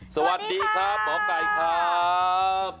สวัสดีครับหมอไก่ครับ